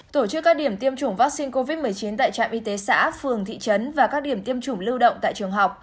tổ chức các điểm tiêm chủng vaccine covid một mươi chín tại trạm y tế xã phường thị trấn và các điểm tiêm chủng lưu động tại trường học